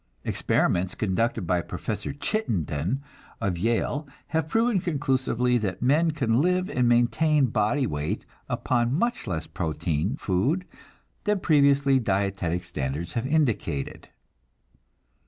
Experiments conducted by Professor Chittenden of Yale have proven conclusively that men can live and maintain body weight upon much less protein food than previous dietetic standards had indicated.